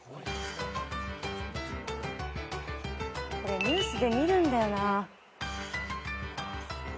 これニュースで見るんだよな。